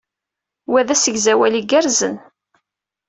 Wa d asegzawal igerrzen.